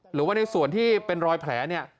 หรือว่าในส่วนที่เป็นรอยแผลเนี่ย